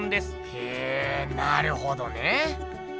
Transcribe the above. へぇなるほどね。